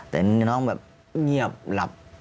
แต่นี่น้องแบบเงียบหลับ